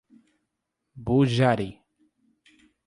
Bujari